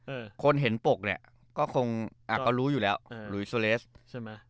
คนเห็นปกเนี่ยก็คงอ่ะก็รู้อยู่แล้วเออหลุยโซเลสใช่ไหม